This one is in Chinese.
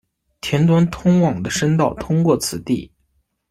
田端通往的参道通过此地。